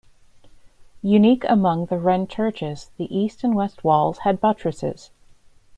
Unique among the Wren churches, the east and west walls had buttresses.